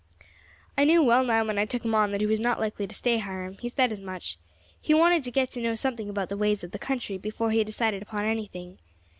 "I knew well nigh when I took him on that he was not likely to stay, Hiram; he said as much. He wanted to get to know something about the ways of the country before he decided upon anything.